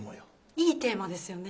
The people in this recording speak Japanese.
いいテーマですよね。